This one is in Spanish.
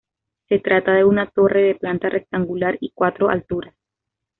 Se trata de una torre de planta rectangular y cuatro alturas.